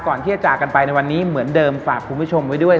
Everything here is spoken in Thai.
จากกันไปในวันนี้เหมือนเดิมฝากคุณผู้ชมไว้ด้วย